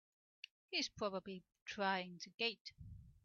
He's probably trying the gate!